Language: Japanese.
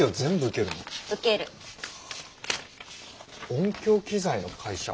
音響機材の会社？